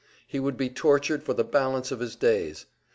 He would be tortured for the balance of his days!